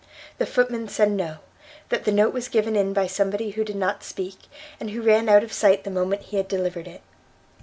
The footman said no; that the note was given in by somebody who did not speak, and who ran out of sight the moment he had delivered it.